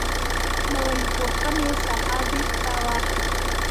د ويي پوهنې ساحه بیرته واخله.